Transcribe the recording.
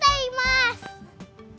biar cepet punya anak